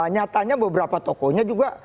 nyatanya beberapa tokonya juga